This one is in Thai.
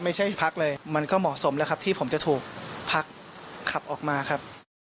ไม่ใช่พรรคเลยมันก็เหมาะสมแล้วครับที่ผมจะถูกพรรคขับออกมาครับ